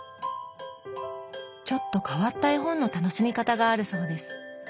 ちょっと変わった絵本の楽しみ方があるそうです。